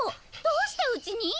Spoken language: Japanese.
どうしてうちに？